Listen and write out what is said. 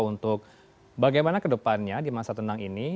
untuk bagaimana kedepannya di masa tenang ini